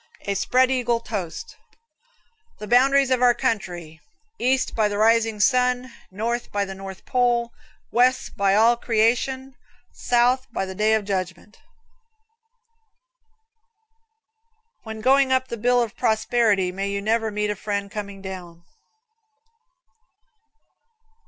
A Spreadeagle Toast. The boundaries of our country: East, by the rising sun; north, by the north pole; west by all creation; and south, by the day of judgment. When going up the bill of prosperity may you never meet a friend coming down.